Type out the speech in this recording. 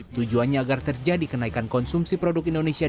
tujuannya agar terjadi kenaikan konsumsi produk indonesia